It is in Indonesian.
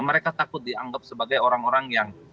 mereka takut dianggap sebagai orang orang yang